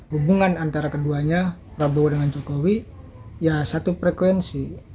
hubungan antara keduanya prabowo dengan jokowi ya satu frekuensi